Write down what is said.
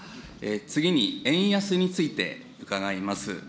次に円安について伺います。